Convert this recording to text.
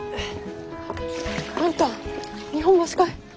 あんた日本橋かい？